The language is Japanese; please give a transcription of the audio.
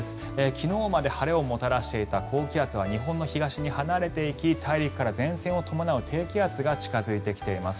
昨日まで晴れをもたらしていた高気圧は日本の東に離れていき大陸から前線を伴う低気圧が近付いてきています。